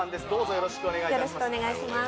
よろしくお願いします。